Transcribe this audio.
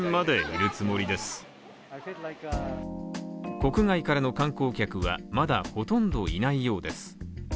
国外からの観光客はまだほとんどいないようです。